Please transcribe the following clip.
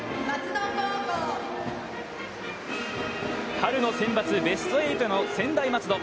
春のセンバツベスト８の専大松戸。